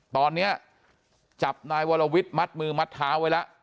ตอนนี้จับนายวรวิทย์มัดมือมัดเท้าไว้แล้ว